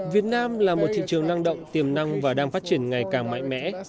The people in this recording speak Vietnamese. việt nam là một thị trường năng động tiềm năng và đang phát triển ngày càng mạnh mẽ